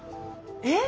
えっ！